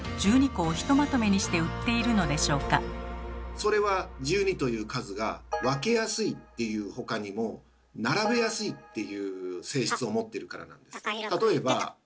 それは１２という数が「分けやすい」っていう他にも「並べやすい」っていう性質を持ってるからなんです。